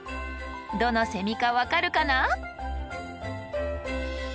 どのセミか分かるかな？